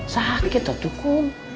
sakit tuh cuku